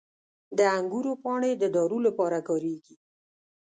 • د انګورو پاڼې د دارو لپاره کارېږي.